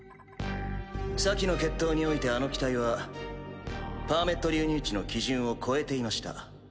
先の決闘においてあの機体はパーメット流入値の基準を超えていました。